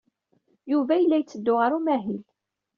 Yuba yella yetteddu ɣer umahil.